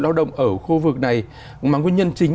lao động ở khu vực này mà nguyên nhân chính